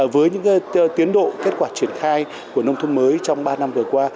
với những tiến độ kết quả triển khai của nông thôn mới trong ba năm vừa qua